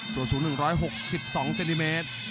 ส่วนสูงหนึ่งร้อยหกสิบสองเซนติ์เมตร